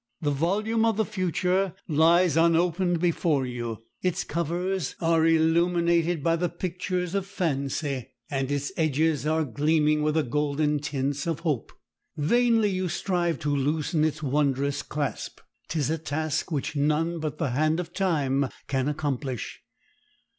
The volume of the future lies unopened before you. Its covers are illuminated by the pictures of fancy, and its edges are gleaming with the golden tints of hope. Vainly you strive to loosen its wondrous clasp; 'tis a task which none but the hand of Time can accomplish.